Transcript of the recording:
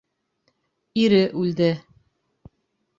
Ире үлде.